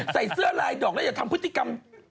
ใส่เสื้อลายดอกแล้วอย่าทำพฤติกรรม